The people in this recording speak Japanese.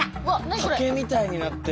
竹みたいになってる。